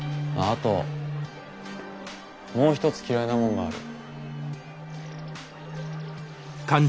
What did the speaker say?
あともう一つ嫌いなもんがある。